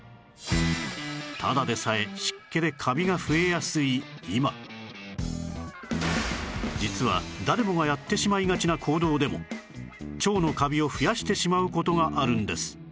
ただでさえ実は誰もがやってしまいがちな行動でも腸のカビを増やしてしまう事があるんです